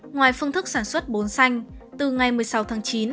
ngoài phương thức sản xuất bốn xanh từ ngày một mươi sáu tháng chín